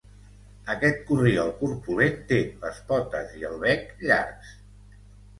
Aquest corriol corpulent té les potes i el bec llargs.